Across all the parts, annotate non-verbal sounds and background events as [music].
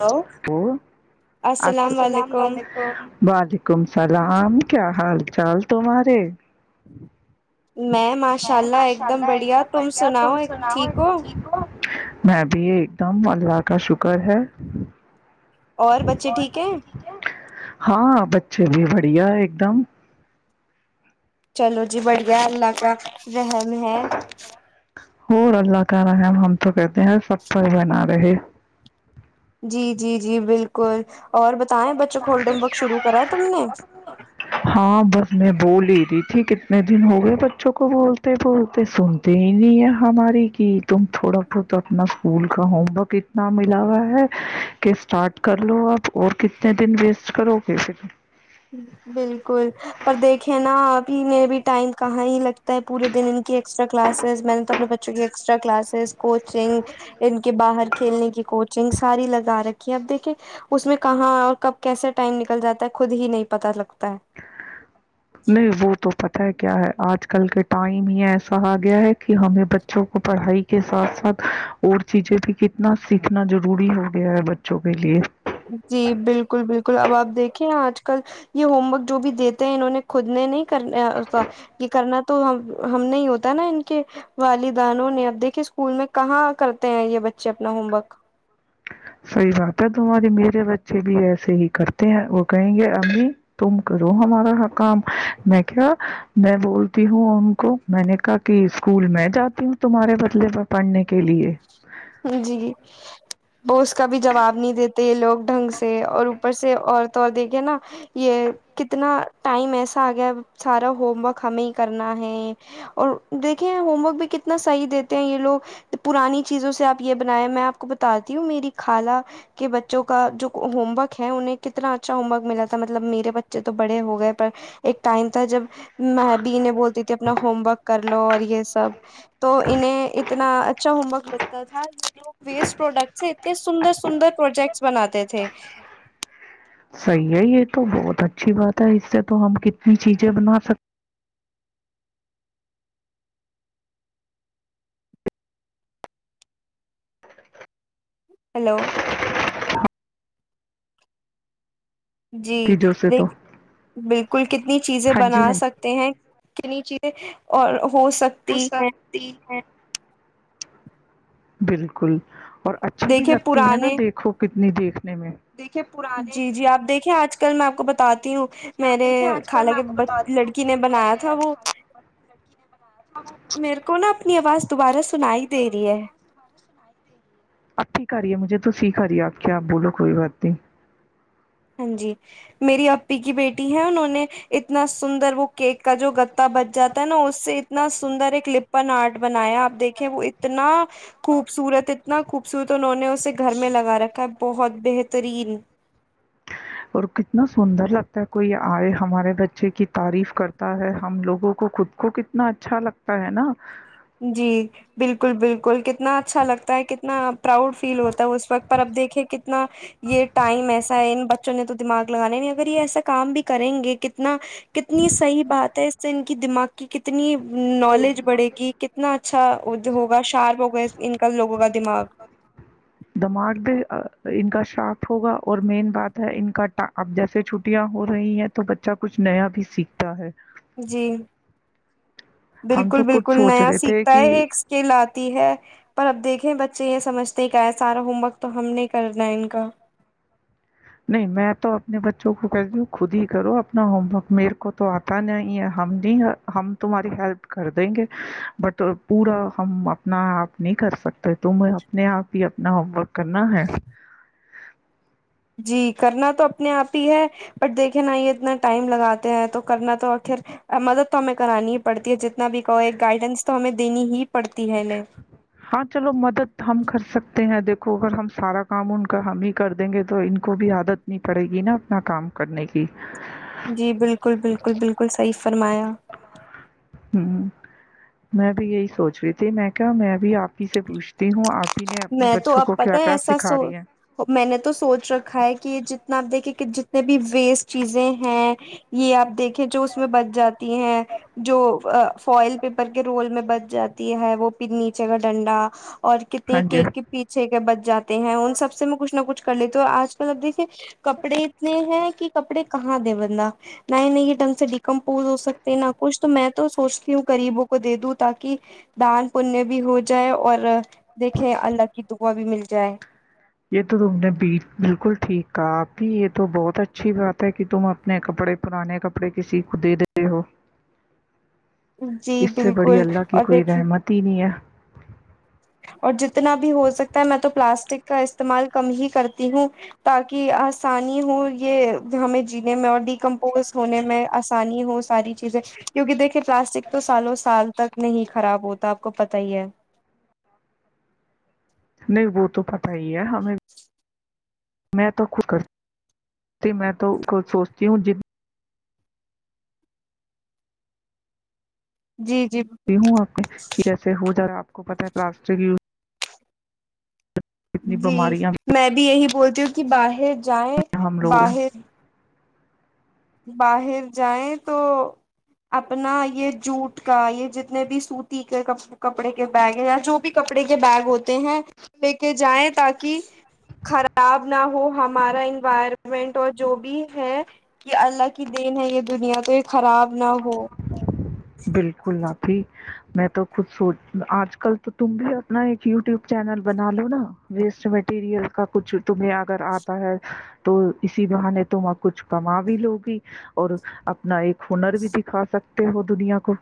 hello السلام علیکم وعلیکم اللام کیا حال چال تمہارے میں ماشاء اللہ ایک دم بڑھیا تم سناؤ ٹھیک ہو میں بھی ایک دم اللہ کا شکر ہے اور بچے ٹھیک ہیں ہاں بچے بھی بڑھیا ہے ایک دم چلو جی بڑھیا اللہ کا رہح ہے ہو اللہ کا رحم ہم تو کہتے ہیں سب پائی بنا رہے جی جی جی بالکل اور بتائیں بچوں کو ہولڈم ورک شروع کرا تم نے د تھی کتنے دن ہو گئے بچوں کو بولتے بولتے سنتے ہی نہیں ہے ہماری کی تم تھوڑا بہت اپنا اسکول کا ہوم ورک اتنا ملا ہوا ہے کہ اسٹارٹ کر لو اب اور کتنے دن ویسٹ کرو گے پھر بالکل پر دیکھے نا ابھی میں بھی ٹائم کہاں ہی لگتا پے دن ان کی ایکسٹرا کلاس میں نے تو اپنے بچوں کی ایکسٹرا کلاسز کوچنگ ان کے باہر کھیلنے کی کوچنگ ساری لگا رکھ کہ اب دیکھے اس میں کہاں کب کیسے ٹائم نکل جا ہے خود ہی نہیں پتا لگتا ہے نہیں وہ تو پ کیا ہے آج کل کے ٹائم یہ ایسا آ گیا ہے کہ ہمیں بچوں کو پڑھائی کے ساتھ ساتھ اور چیزیں بھی کتنا سیکھنا ضروری ہو گیا ہے بچوں کے لیے جی بالکل بالکل اب آپ دیکھیں آج کل یہ ہوم ورک جو بھی دیتے ہیں انہوں نے خود نے نہیں کرنا یہ کرنا تو ہم ہم نہیں ہوتا نا ان کے والدانوں نے اب دیکھے اسکول میں کہاں کرتے ہیں یہ بچے اپنا ہوم ورک صحیح بات ہے تمہاری میرے بچے بھی ایسے ہی کرتے ہیں وہ کہیں گے امی تم کرو ہمارا ہ کام میں کیا میں بولتی ہوں ان کو میں نے کہا کہ اسکول میں جاتی ہوں تمہارے بدلے پر پڑھنے کے لیے جی وہ اس کا بھی جواب نہیں دیتے یہ لوگ ڈھنگ سے اور اوپر سے اورت اور دیکھے نا یہ کتنا ٹائم ایسا آ گیا سارا ہوم ورک ہمیں ہی کرنا ہے اور دیکھے ہوم ورک بھی کتنا صحیح دیتے ہیں یہ لوگ پرانی چیزوں سے سے آپ یہ بنایں میں آپ کو بتاتی ہوں میری خال کے بچوں کا جو ہوم ورک ہے انہیں کتنا اچھا ہوم ورک ملا تھا مطلب میرے بچے تو بڑے ہو گئے پر ایک ٹائم تھا جب میں بھی انہیں بولتی تھی اپنا ہوم ورک کر لو اور یہ سب تو انہیں اتنا اچھا ہوم ورک تھا یہ لوگ ویسٹ پروڈکٹ سے اتنے سندر سندر پروجیکٹس بناتے تھے صحیح ہے یہ تو بہت اچھی بات ہے اس سے تو ہم کتنی چیزیں بنا سکتے ہیلو جی چیزوں سے تو دیک بالکل کتنی چیزیں ہاں بنا جی ہاں سکتے ہیں کتنی چیز اور ہو سکتی ہے بالکل اور اچھی بھی دیکھیے لگتی ہے نا پرانے دیکھو کتنی دیکھنے میں جی جی آپ دیکھیں آج کل میں آپ کو بتتی ہوں میرے خالہ کے لڑکی نے بنایا تھا وہ میرے کو نا اپنی آواز دوبارہ سنا ہی دے رہی ہے اب ٹھیک آ رہی ہے مجھے تو سیکھا رہی ہے آپ کیا بولو کوئی بات نہیں ہاں جی میری اپی کی بیٹی ہے انہوں نے اتنا سندر وہ کیک کا جو گتا بچ جاتا ہے نا اس سے اتنا سندر ایک لپن آرٹ بنایا آپ دیکھیں وہ اتنا خوبصورت اتنا خوبصورت انہوں نے اسے گھر میں لگا رکھا ہے بہت بہترین اور کتنا سندر لگتا ہے کو یہ آئے ہمارے بچے کی تعریف کرتا ہے ہم لوگوں کو خود کو کتنا اچھا لگتا ہے نا جی بالکل بالکل کہ کتنا اچھا لگتا ہے کتنا پراؤڈ فیل ہوتا ہے اس وقت پر اب دیکھے کتنا یہ ٹائم ایسا ہے ان بچ چنے تو دماغ لگانے نہیں اگر یہ ایسا کام بھی کریں گے کتنا کتنی صحیح بات ہے اس سے ان کی دماغ کی کتنی نالالج بڑھے گی کتنا اچھا ہوگا شارپ ہوگا ان کا لوگوں کا دماغ دماغ بھی ان کا شارپ ہوگا اور مین بات ہے ان کا اب جیسے چھٹیاں ہو رہی ہیں تو بچہ کچھ نیا بھی سیکھتا ہے جی ہم بالکل تو خود بالکل سوچ نیا رہے تھے سیکھتا کہ ہے ایک سکیل آتی ہے پر اب دیکھے بچے یہ سمجتے کیا ہے سارا ہوم ورک تو ہم نے کرنا ہے ان کا نہیں میں تو اپنے بچوں کو کہتی ہوں خود ہی کرو اپنا ہوم ورک میرے کو تو آتا نہیں ہے ہم نہیں ہم تمہاری ہیلپ کر دیں گے بٹ پورا ہم اپنا آپ نہیں کر سکتے تمہیں اپنے آپ ہی اپنا ہوم ورک کرنا ہے جی کرنا تو اپنے آپ ہی ہے بٹ دیکھے نا یہ اتنا ٹائم لگاتے ہیں تو کرنا تو آخر مدد تو ہمیں کرانی ہی پڑتی ہے جتنا بھی کہو ایک گائیڈنس تو ہمیں دینی ہی پڑتی ہے انہیں ہاں چلو مدد ہم کر سکتے ہیں دیک کو اگر ہم سارا کام ان کا ہم ہی کر دیں گے تو ان کو بھی عادت نہیں پڑے گی نا اپنا کام کرنے کی جی بالکل بالکل بالکل صحی فرمایا ہوں میں بھی یہی سوچ رہی تھی میں کیا میں بھی آپ ہی سے پوچھتی ہوں آپ ہی نے اپنے میں تو بچوں اب کو کیا پتا ہے کیا ایسا سکھا سو رہی ہیں میں نے تو سوچ رکھا ہے کہ یہ جتنا آپ دیکھیے کہ جتنے بھی ویسٹ چیزیں ہیں یہ آپ دیک جو اس بچ جاتی ہیں جو فل پیپر ر میں ب جاتی ہے وہ پھر نیچے کا ڈنڈا اور ہاں جی کیک کے پیچھے کے بچ جے ہیں ان سب سے میں کھ نہ کچھ کر لی تو آج کل اب دیکھیے کپڑے اتنے ہیں کہ کپڑے کہاں دیں بندہ نئے نئے ڈھنگ سے ڈیکمپوز ہو سکتے ہیں نہ کچھ تو میں تو سوچتی ہوں گریبوں کو دے دوں تاکہ دان پنیہ بھی ہو جائے اور دیکھیں اللہ کی دعا بھی ملتی چائے یہ تو تم نے بالکل ٹھیک کہا اپھی یہ تو بہت اچھی بات ہے کہ تم اپنے کپڑے پرانے کپڑے کسی کو دے دیتے ہو جی اس سے بڑی بالکل اللہ کی اور کوئی دیکھیے رحمت ہی نہیں ہے اور جتنا بھی ہو سکتا ہے میں تو پلاسٹک کا استعمال کم ہی کرتی ہوں تاکہ آسانی ہو یہ ہمیں جینے میں اور ڈیکمپوز ہونے میں آسانی ہو ساری چیزیں کیونکہ دیکھے پلاسٹک تو سالوں سال تک نہیں خراب ہوتا آپ کو پت ہی ہے نہیں ب تو پ پی ہے ہمیں میں تو ختی میں تو خود سوچتی ہوں جن جی جی ہوں آپ جیسے ہو جائےا آپ کو پتا ہے پلاسٹ ی کتنی جی بیماریاں میں بھی یہی بولتی کیوںکہ باہر جائےیں ہیں ہم لوگوں باہر باہر جائیں تو اپنا یہ جووٹ کا یہ جتنے بھی سوتی کے کپڑے کے بیگ ہیں یا جو بھی کپڑے کے بیگ ہوتے ہیں لے کے جائیں تاکہ خراب نہ ہو ہمارا انوائرمنٹ اور جو بھی ہے کہ اللہ کی دین ہے یہ دنیا تو یہ خراب نہ ہو بالکل ن میں تو خود سوچ آج کل تو تم بھی اپنا ایک یوٹیوب چینل بنا لو نا ویسٹ مٹیریل کا کچھ تمہیں اگر آتا ہے تو اسی بہانے تم کچھ کما بھی ل گی اور اپنا ایک ہنر بھی دکھا سکتے ہو دنیا کو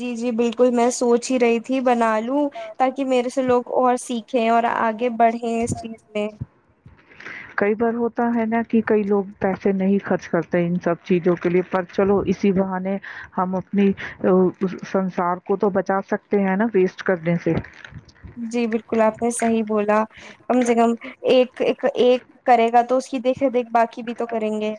جی جی بالکل میں سوچ ہی رہی تھی بنال ل تاکہ میرے سے لوگ اور سیکھ چ اور آگے آگے بڑھیں اس چیز میں کئی ہوتا ہے نا کہ کئی لوگ پیسے نہیں خرچ کرتے ان سب چیزوں کے لیے پر چلو اسی بہانے ہم اپنی سنسار کو تو بچا سکتے ہیں نا ویسٹ کرنے سے جی بالکل آپ نے صحی بولا کم سے کم ایک ایک کرے گا تو اس کی دیکھے دیکھ باقی بھی تو کریں گے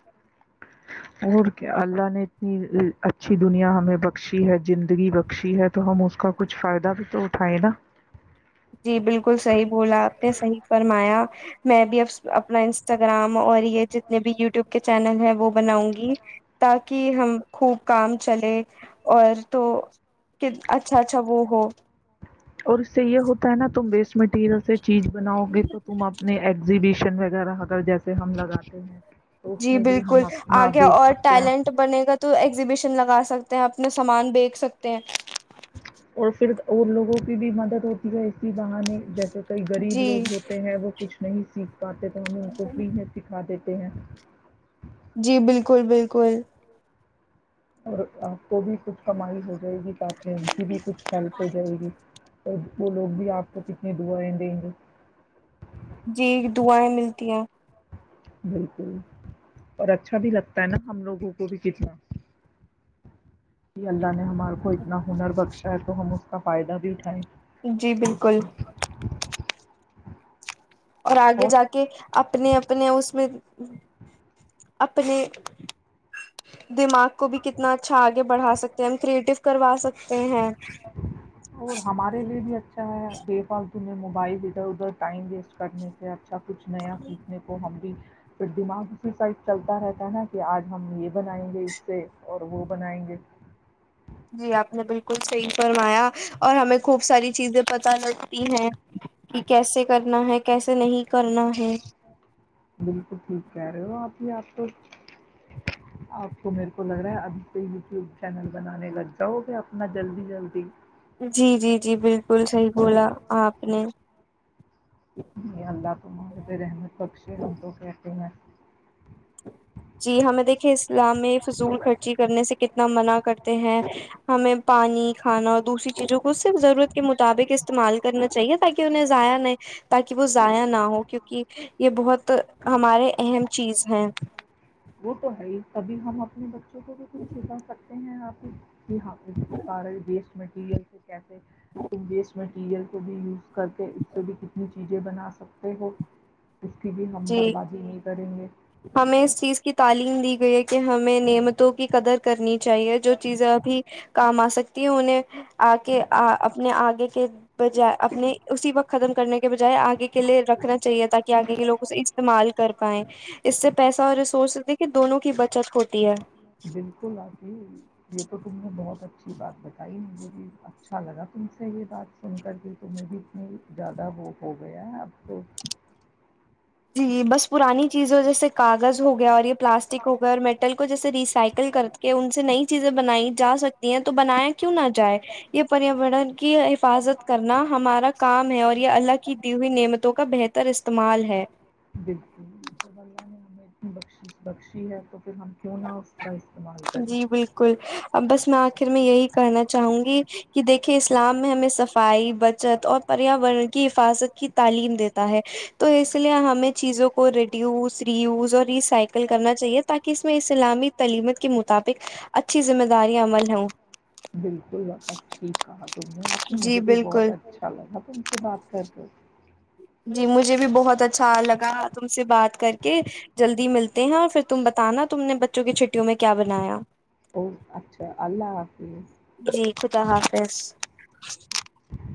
اور کیا اللہ نے اتنی اچھی دنیا ہمیں بخشی ہے زندگی بخشی ہے تو ہم اس کا کچھ فائدہ بھی تو اٹھائے نا جی بالکل صحیح بولا آپ نے صحیح فرمایا میں بھی اب اپنا انسٹاگرام اور یہ جتنے بھی یوٹیوب کے چینل ہیں وہ بناؤں گی ت کہ ہم خوب کام چلے اور تو اچھا اچھا وہ ہو اور اس سے یہ ہوتا نا تم ویسٹ مٹیریل سے چیز بناؤ گے تو تم اپنے ایگزیبش ن وغیرہ اگر جیسے ہم لگاتے ہیں تو اس جی میں بھی بالکل ہم اپنا آگے بیچ اور سکتے ہیں ٹیلنٹ بنے گا تو ایگزیبیشن لگا سکتے س ہیں اپنا سامان بییکچ سکتے ہیں اور پھر اور لوگوں کی بھی مدد ہوتی ہے اسسی بہانے جیسے کئی غریب جی لوگ ہوتے ہیں وہ کچھ نہیں سی پاتے تو ہمیں ان کو فری ہے سکھا دیتے ا ہیں [unintelligible] جی بالکل بالکل اور آپ کو بھی کچھ کمائی ہو جائے گی ان کی بھی کچھ ہیلپ ہو جائے گی اور وہ لوگ بھی آپ کو کتنے دعایں دیں گے [inaudible] جی دعائیں ملتی ہیں بالکل اور اچھا بھی لگتا ہے نا ہم لوگوں کو بھی کتنا کہ اللہ نے ہمارا کو اتنا ہنر بخشا ہے تو ہم اس کا فائدہ بھیٹھائیں جی بالکل اور آگے جا کے اپنے اپنے اس میں اپنے دماغ کو بھی کتنا اھا اچھا آگے بڑا سکتے ہم کریٹو کروا سکتے ہیں اور ہمارے لیے بھی اچھا ہے ب پال توہیں موبائل دیتا ادھر ٹائم ویسٹ کرنے سے آ اچھا کچھ نیا پھوٹنے کو ہم بھی پھر دماغ اسی سائڈ چلتا رہتا ہے نا کہ آج ہم یہ بنائیں گے اس سے اور وہ بنائیں گے جی آپ نے بالکل صحیح فرمایا اور ہمیں خوب ساری چیزیں پتہ لگتی ہیں کہ کیسے کرنا ہے کیسے نہیں کرنا ہے بالکل ٹھیک کہہ رہے ہو ابھی آپ کو آپ کو میرے کو لگ رہا ہے ابھی کو یوٹیوب چینل بنانے لگ جاؤ گے اپنا جلدی جلدی جی جی جی بالکل صحیح بولا آپ نے [unintelligible] [unintelligible] [unintelligible] جی ہمیں دیکھیے اسلام میں فضول خرچی کرنے سے کتنا منع کرتے ہیں ہمیں پانی ھانا اور دوسری چیزوں کو خ سے ضرورت کے مطابق استعمال کرنا چاہیے تاکہ انہیں ضائع نہیں تاکہ وہ ضائع نہ ہو کیونکہ یہ بہت تو ہمارے اہم چیز ہیں وہ تو ہے ہی کبھی ہم اپنے ب ش کو بھی کچھ چیزیں س ہیں آ پ یہ ہاں سارے دیش مٹیریل کیفے ایک بیسمنٹ کیئر کو بھی کرتے ہیں اس سے بھی کتنیز چیزیں بنا سکتے ہو اس کی بھی ہم جی بربادی نہیں کریں گے ہمیں اس چیز کی تعلیم دی گئی ہے کہ ہمیں نعمتوں کی قدر کرنی چاہیے جو چیزیں ابھی کام آ سکتی ہے انہیں آ کے اپنے آگے کے بجائے اپنے اسی وقت ختم کرنے کے بجائے آگے کے لیے رکھنا چاہیے تاکہ آگے کے لو استعمال کر پائائے اس سے پیسہ اور ریسورس دیکھیے دونوں کی بچت ہوتی ہے بالکل آتیی یہ تو تم نے بہت اچھی بات بتائی مجھے بھی اچھا لگا تم سے یہ بات سن کر کے تمہیں بھی اتنی زیادہ وہ ہو گیا ہے اب تو جی بس پرانی چیزوں جیسے [inaudible] چیزیں بنائی جا سکتی ہیں تو بنایا کیوں نہ جائے یہ پریاورن کی حفاظت کرنا ہمارا کام ہے اور یہ اللہ کی دی ہوئی نعمتوں کا بہتر استعمال ہے بالکل جب اللہ نے حد بخشیس بخشی ہے تو پھر ہم کیوں نہ اس کا استعمال کریں جی بالکل اب بس میں آخر میں یہی کرنا چاہوں گی کہ دیکھیے اسلام میں ہمیں صفائی بچت اور پریاورن کی حفاظت کی تعلیم دیتا ہے تو اس لیے ہمیں چیزوں کو ریڈیوز ریوز اور اس سائیکل کرنا چاہیے تاکہ اس میں اسلامی تلیمت کو بالکل بکص کہا تم نے آپ کی جی مجھے بھی بہت بالکل اچھا لگا تم سے بات کر اچ جی مجھے بھی بہت اچھا لگا تم سے بات کر کے جلدی ملتے ہیں اور پھر تم بتانا تم نے بچوں کی چھٹیوں میں کیا بنایا او اچھا اللہ حافظ جی خدا حافظ [unintelligible]